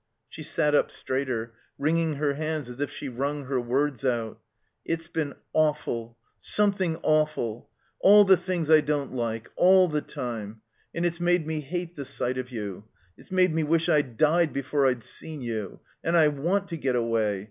She sat up straighter, wringing her hands as if she wrung her words out. "It's been awful — something awful. All the things I don't like — all the time. And it's made me hate the sight of you. It's made me wish I'd died before I'd seen you. And I want to get away.